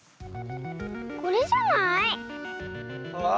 これじゃない？わあ！